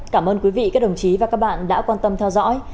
cảm ơn quý vị các đồng chí và các bạn đã quan tâm theo dõi